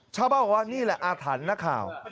ชาวบ้านบอกว่านี่แหละอาถรรพ์นักข่าว